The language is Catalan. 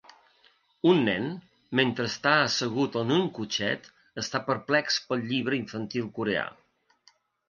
Un nen, mentre està assegut en un cotxet, està perplex pel llibre infantil coreà.